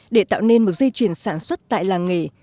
để tạo nên một dây chuyển sản xuất tại làng nghề